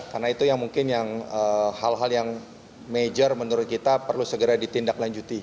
karena itu yang mungkin hal hal yang major menurut kita perlu segera ditindak lanjuti